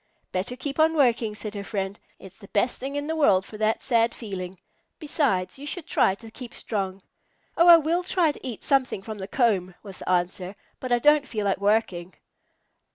"Better keep on working," said her friend. "It's the best thing in the world for that sad feeling. Besides, you should try to keep strong." "Oh, I will try to eat something from the comb," was the answer, "but I don't feel like working."